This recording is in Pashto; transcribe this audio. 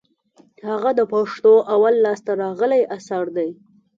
هغه د پښتو اول لاس ته راغلى اثر دئ.